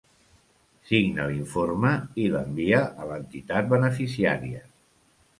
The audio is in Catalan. Signa l'informe i l'envia a l'entitat beneficiària.